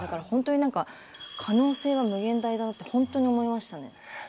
だから、可能性は無限大だなって本当に思いましたね。